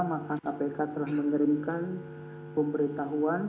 maka kpk telah mengerimkan pemberitahuan